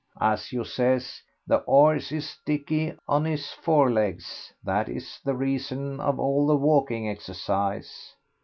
As you says, the 'orse is dicky on 'is forelegs, that is the reason of all the walking exercise."